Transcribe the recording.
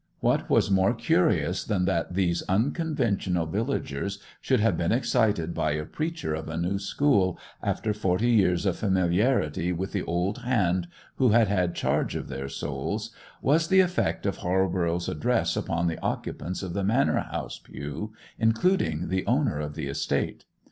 What was more curious than that these unconventional villagers should have been excited by a preacher of a new school after forty years of familiarity with the old hand who had had charge of their souls, was the effect of Halborough's address upon the occupants of the manor house pew, including the owner of the estate.